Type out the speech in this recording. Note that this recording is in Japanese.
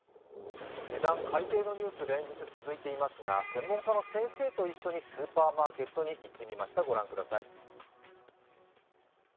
値段改定のニュース、連日続いていますが専門家の先生と一緒にスーパーマーケットに行ってきました。